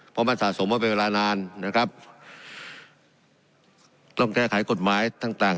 เพราะมันสะสมมาเป็นเวลานานนะครับต้องแก้ไขกฎหมายต่างต่าง